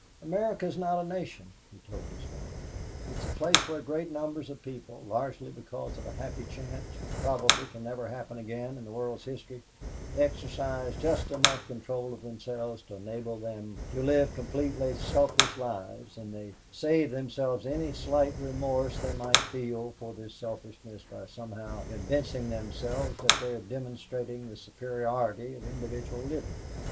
"America is not a nation," he told his father; "it's a place where great numbers of people, largely because of a happy chance which probably can never happen again in the world's history, exercise just enough control of themselves to enable them to live completely selfish lives and they save themselves any slight remorse they might feel for this selfishness by somehow convincing themselves that they are demonstrating the superiority of individual liberty.